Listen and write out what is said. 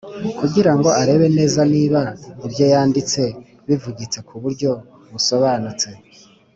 kugirango arebe neza niba ibyo yanditse bivugitse ku buryo busobanutse